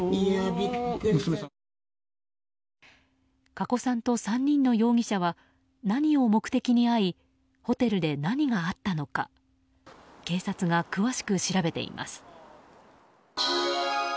加古さんと３人の容疑者は何を目的に会いホテルで何があったのか警察が詳しく調べています。